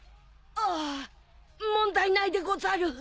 ああ問題ないでござる。